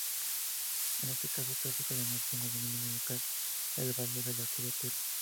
Es un caso clásico de máximo o mínimo local del valor de la curvatura.